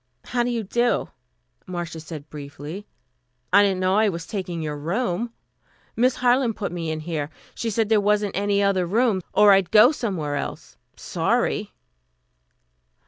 "How do you do?" Marcia said briefly. "I didn't know I was taking your room. Miss Harland put me in here. She said there wasn't any other room, or I'd go somewhere else. I'm sorry."